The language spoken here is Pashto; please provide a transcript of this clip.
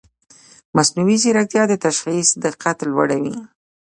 مصنوعي ځیرکتیا د تشخیص دقت لوړوي.